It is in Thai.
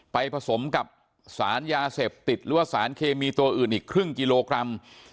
ผสมกับสารยาเสพติดหรือว่าสารเคมีตัวอื่นอีกครึ่งกิโลกรัม